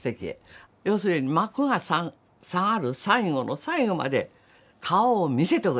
要するに「幕が下がる最後の最後まで顔を見せておけ！」